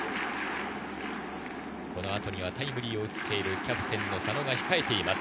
この後にはタイムリーを打っているキャプテン・佐野が控えています。